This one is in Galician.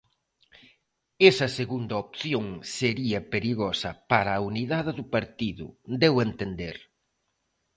Esa segunda opción sería perigosa para a unidade do partido, deu a entender.